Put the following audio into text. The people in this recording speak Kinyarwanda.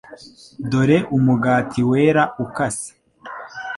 dore Umugati wera ukase